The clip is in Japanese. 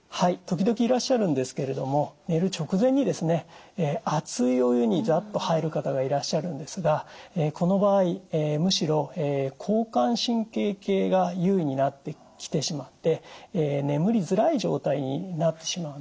時々いらっしゃるんですけれども寝る直前に熱いお湯にザッと入る方がいらっしゃるんですがこの場合むしろ交感神経系が優位になってきてしまって眠りづらい状態になってしまうんですね。